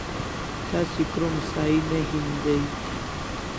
Tasi krom sahi ne hin day